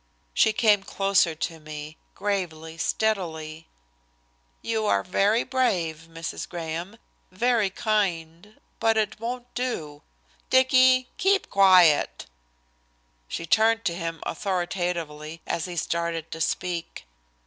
She came closer to me, gravely, steadily. "You are very brave, Mrs. Graham, very kind, but it won't do. Dicky, keep quiet." She turned to him authoritatively as he started to speak.